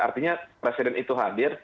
artinya presiden itu hadir